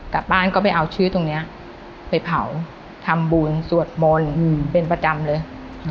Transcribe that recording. กลับบ้านก็ไปเอาชื่อตรงนี้ไปเผาทำบุญสวดมนต์เป็นประจำเลย